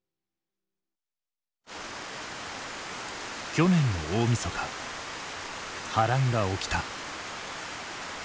去年の大みそか波乱が起きた。